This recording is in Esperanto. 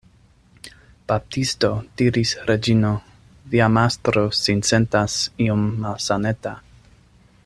Baptisto, diris Reĝino, via mastro sin sentas iom malsaneta.